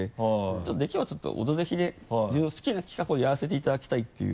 ちょっとできればちょっと「オドぜひ」で自分の好きな企画をやらせていただきたいっていう。